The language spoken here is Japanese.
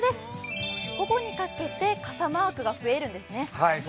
午後にかけて傘マークが増えるんですね。